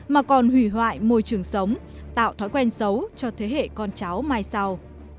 mà còn hủy hoại môi trường sống tạo thói quen xấu cho thế hệ con cháu mai sau